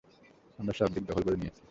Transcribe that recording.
আমরা সবদিক দখল করে নিয়েছি।